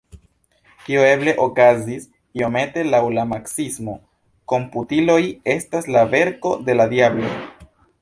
Tio eble okazis iomete laŭ la maksimo “komputiloj estas la verko de la diablo.